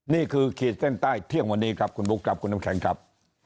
ขีดเส้นใต้เที่ยงวันนี้ครับคุณบุ๊คครับคุณน้ำแข็งครับ